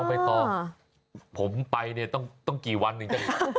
อ๋อนอกไม่ต้องผมไปเนี่ยต้องกี่วันถึงจัดดี